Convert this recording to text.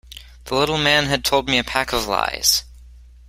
The little man had told me a pack of lies.